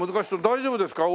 大丈夫ですか？